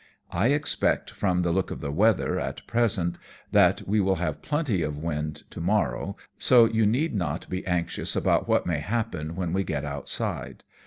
I expect, from the look of the weather at present, that we will have plenty of wind to morrow, so you need not be anxious about what may happen when we get outside.